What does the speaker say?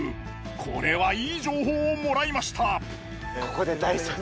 これはいい情報をもらいました。